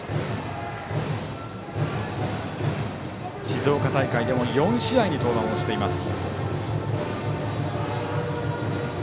静岡大会でも４試合に登板しています。